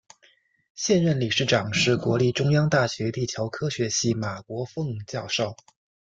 现任理事长是国立中央大学地球科学系马国凤教授。